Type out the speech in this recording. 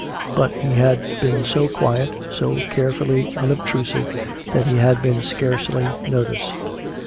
But he had been so quiet, so carefully unobtrusive, that he had been scarcely noticed.